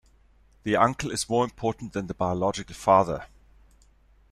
The uncle is more important than the biological father.